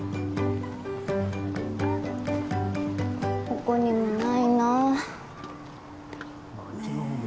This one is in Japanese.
ここにもないなぁ。